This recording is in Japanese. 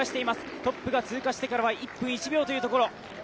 トップが通過してからは１分１秒というところ。